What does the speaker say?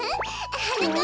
はなかっ